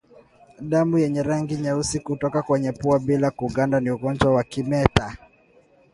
Damu yenye rangi nyeusi kutoka kwenye pua bila kuganda ni ugonjwa wa kimeta